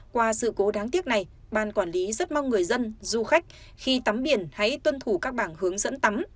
qua sự cố đáng tiếc này ban quản lý rất mong người dân du khách khi tắm biển hãy tuân thủ các bảng hướng dẫn tắm